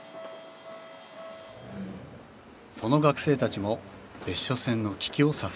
その学生たちも別所線の危機を支えました。